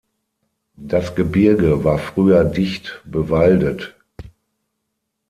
Das Gebirge war früher dicht bewaldet.